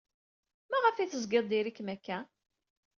Maɣef ay tezgid diri-kem akka?